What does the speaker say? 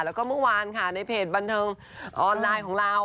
แล้วก็เมื่อวานค่ะในเพจบันเทิงออนไลน์ของเรา